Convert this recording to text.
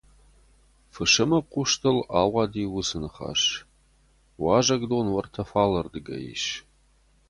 Фысымы хъустыл ауади уыцы ныхас: «Уазӕгдон уӕртӕ фалӕрдыгӕй ис».